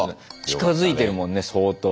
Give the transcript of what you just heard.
近づいてるもんね相当。